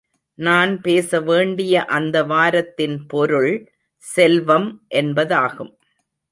நான் பேச வேண்டிய அந்த வாரத்தின் பொருள் செல்வம் என்பதாகும்.